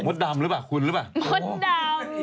ดำหรือเปล่าคุณหรือเปล่ามดดำ